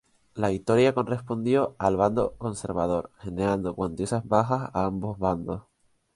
La victoria correspondió al bando conservador, generando cuantiosas bajas a ambos bandos.